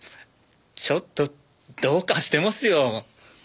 ちょっとどうかしてますよ。